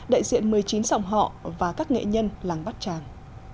đại diện một mươi chín sòng họ và các nghệ nhân làng bát tràng